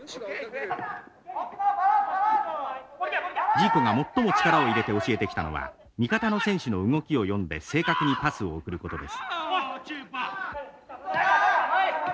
ジーコが最も力を入れて教えてきたのは味方の選手の動きを読んで正確にパスを送ることです。